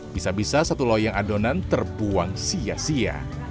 bisa bisa satu loyang adonan terbuang sia sia